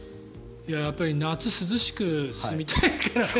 やっぱり夏涼しく住みたいから。